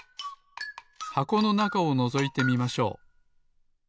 箱のなかをのぞいてみましょう。